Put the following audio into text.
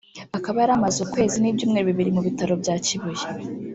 akaba yari amaze ukwezi n’ibyumweru bibiri mu bitaro bya Kibuye